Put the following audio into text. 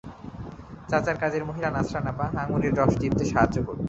চাচার কাজের মহিলা নাসরিন আপা, আঙুরের রস চিপতে সাহায্য করত।